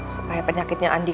supaya penyakitnya andi